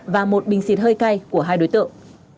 và một bình xịt hơi cay của hai đối tượng